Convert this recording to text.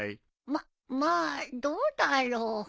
まっまあどうだろう？